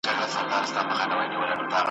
دواړه پرېوتل پر مځکه تاوېدله ,